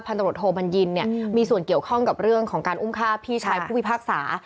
ตำรวจโทบัญญินเนี่ยมีส่วนเกี่ยวข้องกับเรื่องของการอุ้มฆ่าพี่ชายผู้พิพากษา